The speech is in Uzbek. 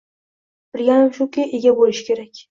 Bilganim shuki, ega boʻlishi kerak.